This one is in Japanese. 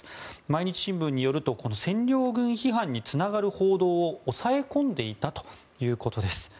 毎日新聞によると占領軍批判につながる報道を抑え込んでいたということです。